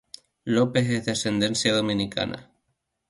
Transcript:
Lopez es de ascendencia dominicana.